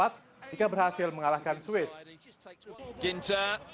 jika berhasil mengalahkan swiss